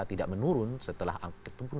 tidak menurun setelah angket itu pun